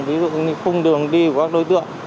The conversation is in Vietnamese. ví dụ như khung đường đi của các đối tượng